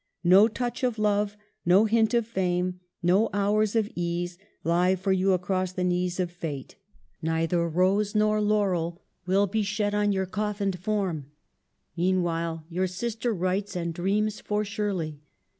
No touch of love, no hint of fame, no hours of ease, lie for you across the knees of Fate. Neither rose nor laurel will be shed on your coffined form. Meanwhile, your sister writes and dreams for Shirley.